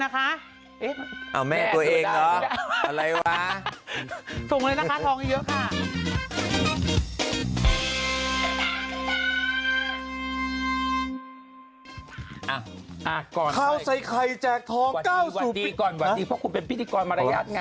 เพราะคุณเป็นพระพิธีกรมารยาทงาม